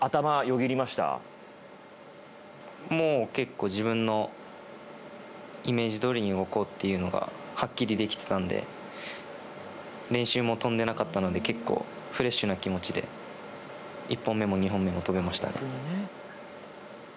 もう結構、自分のイメージどおりに動こうというのがはっきり出来てたんで練習もとんでなかったので結構フレッシュな気持ちで１本目も２本目も飛べましたね。